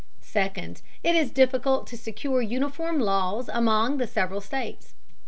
Second, it is difficult to secure uniform laws among the several states.